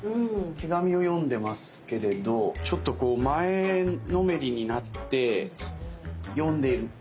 手紙を読んでますけれどちょっとこう前のめりになって読んでいる。